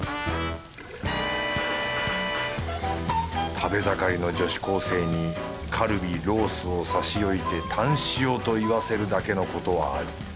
食べ盛りの女子高生にカルビロースを差し置いてタンシオと言わせるだけのことはある。